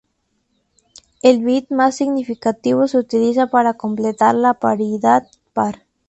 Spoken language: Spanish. El bit más significativo se utiliza para completar la paridad par.